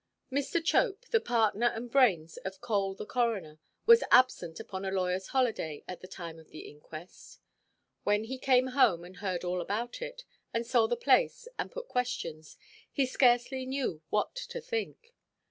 Mr. Chope, the partner and "brains" of Cole, the coroner, was absent upon a lawyerʼs holiday at the time of the inquest. When he came home, and heard all about it, and saw the place, and put questions, he scarcely knew what to think.